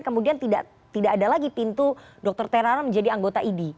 kemudian tidak ada lagi pintu dr terna menjadi anggota idi